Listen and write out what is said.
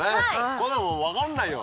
こんなもん分かんないよ